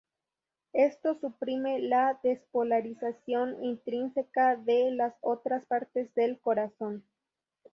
Esto suprime la despolarización intrínseca de las otras partes del corazón.